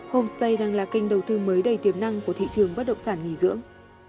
homestay đang là kênh đầu tư mới đầy tiềm năng của thị trường bất động sản nghỉ dưỡng